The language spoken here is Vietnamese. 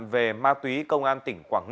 về ma túy công an tỉnh quảng ngân